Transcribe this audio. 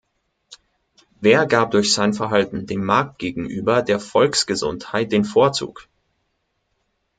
Wer gab durch sein Verhalten dem Markt gegenüber der Volksgesundheit den Vorzug?